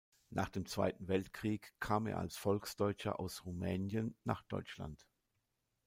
Nach dem Zweiten Weltkrieg kam er als Volksdeutscher aus Rumänien nach Deutschland.